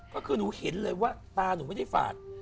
ก็คือหนูเห็นเลยว่าตาหนูไม่ได้ฝาด